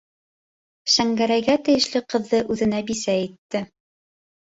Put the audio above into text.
Шәңгәрәйгә тейешле ҡыҙҙы үҙенә бисә итте.